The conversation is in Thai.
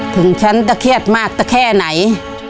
ถึงฉันจะเครียดมากสักแค่ไหน